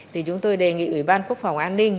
thì chúng tôi đề nghị ủy ban quốc phòng an ninh